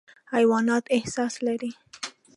حیوانات احساس لري.